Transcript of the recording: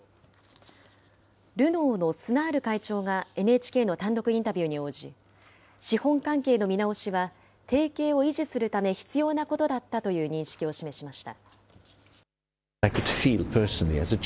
ルノーのスナール会長がＮＨＫの単独インタビューに応じ、資本関係の見直しは、提携を維持するため必要なことだったという認識を示しました。